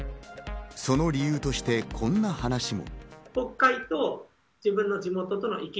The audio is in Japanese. その理由としてこんな話も。